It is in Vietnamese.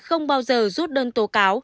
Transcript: không bao giờ rút đơn tố cáo